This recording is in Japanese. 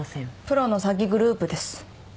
プロの詐欺グループです。